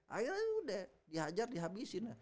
akhirnya udah dihajar dihabisin